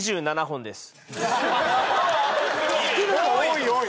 ２７本です